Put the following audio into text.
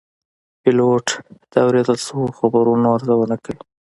پیلوټ د اورېدل شوو خبرونو ارزونه کوي.